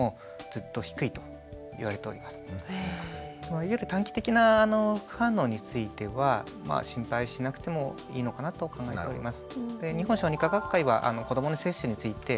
いわゆる短期的な副反応については心配しなくてもいいのかなと考えております。